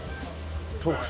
「特製」